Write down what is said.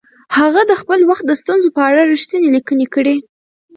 هغه د خپل وخت د ستونزو په اړه رښتیني لیکنې کړي.